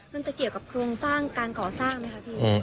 มันจะเกี่ยวกับโครงสร้างการก่อสร้างไหมคะพี่